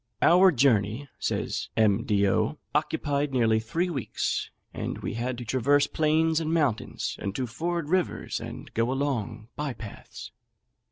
"Our journey," says M. D'O., "occupied nearly three weeks; and we had to traverse plains and mountains, and to ford rivers, and go along by paths.